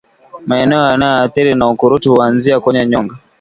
Maeneo yanayoathirika na ukurutu huanzia kwenye nyonga